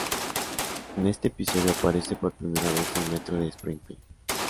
En este episodio aparece por primera vez el metro de Springfield.